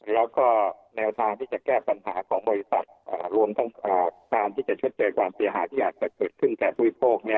แล้วก็แนวทางที่จะแก้ปัญหาของบริษัทอ่ารวมต้องอ่าตามที่จะเชิดเจิดวันเสียหาที่อาจจะเกิดขึ้นแก่ภูมิโปรกเนี้ย